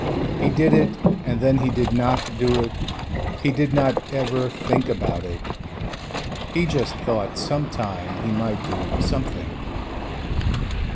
He did it and then he did not do it, he did not ever think about it. He just thought some time he might do something.